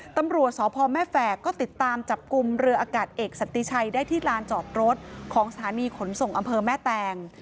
ตำรวจสพแม่แฝกก็ติดตามจับกลุ่มเรืออากาศเอกสันติชัยได้ที่ลานจอดรถของสถานีขนส่งอำเภอแม่แตง